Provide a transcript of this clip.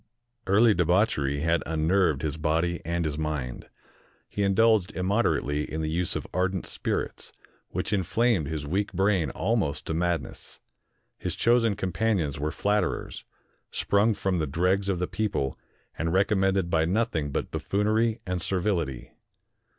Early de bauchery had unnerved his body and his mind. He in dulged immoderately in the use of ardent spirits, which inflamed his weak brain almost to madness. His chosen companions were flatterers, sprung from the dregs of the people, and recommended by nothing but buffoonery and servility.